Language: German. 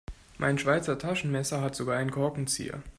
Mein Schweizer Taschenmesser hat sogar einen Korkenzieher.